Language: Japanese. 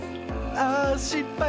あしっぱい。